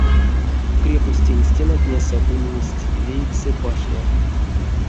Крепостень стенатнесэ ульнесть вейксэ башнят.